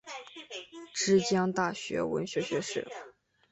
之江大学文学学士。